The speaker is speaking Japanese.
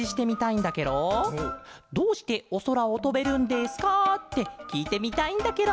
「どうしておそらをとべるんですか？」ってきいてみたいんだケロ。